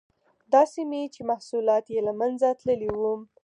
دا سیمې چې محصولات یې له منځه تللي وو.